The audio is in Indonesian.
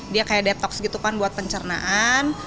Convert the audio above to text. dia kayak detox gitu kan buat pencernaan